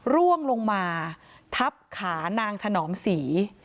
ร่วงลงมาทับขานางถนอมศรี